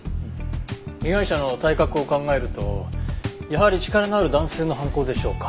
被害者の体格を考えるとやはり力のある男性の犯行でしょうか？